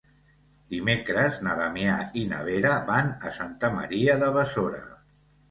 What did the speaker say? Dimecres na Damià i na Vera van a Santa Maria de Besora.